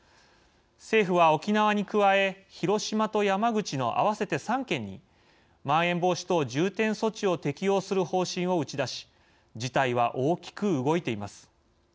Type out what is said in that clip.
政府は、沖縄に加え広島と山口の合わせて３県にまん延防止等重点措置を適用する方針を打ち出し事態は大きく動いています。